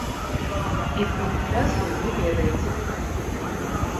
І пра інфляцыю вы ведаеце.